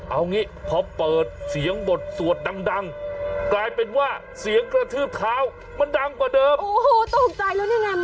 เอางี้พอเปิดเสียงบทสวดดังกลายเป็นว่าเสียงกระทืบเท้ามันดังกว่าเดิม